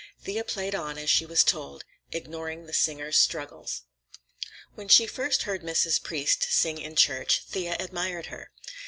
Thea played on as she was told, ignoring the singer's struggles. When she first heard Mrs. Priest sing in church, Thea admired her.